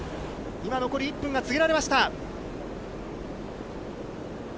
今、残り１分が告げられました。